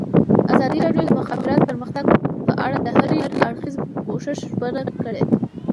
ازادي راډیو د د مخابراتو پرمختګ په اړه د هر اړخیز پوښښ ژمنه کړې.